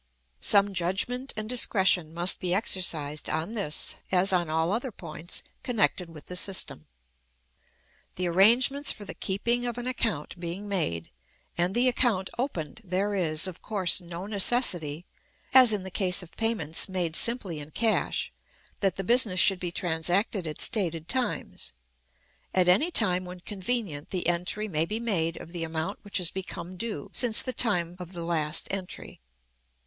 Some judgment and discretion must be exercised on this as on all other points connected with the system. The arrangements for the keeping of an account being made, and the account opened, there is, of course, no necessity, as in the case of payments made simply in cash, that the business should be transacted at stated times. At any time when convenient, the entry may be made of the amount which has become due since the time of the last entry.